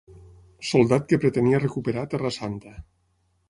Soldat que pretenia recuperar Terra Santa.